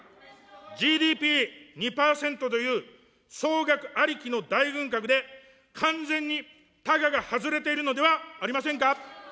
ＧＤＰ２％という、総額ありきの大軍拡で完全にたがが外れているのではありませんか。